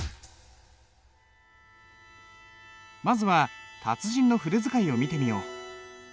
まずは達人の筆使いを見てみよう。